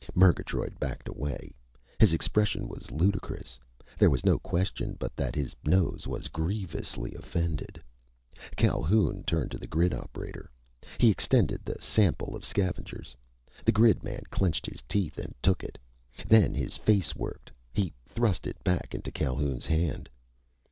Murgatroyd backed away. His expression was ludicrous. There was no question but that his nose was grievously offended. Calhoun turned to the grid operator. He extended the sample of scavengers. The grid man clenched his teeth and took it. Then his face worked. He thrust it back into Calhoun's hand.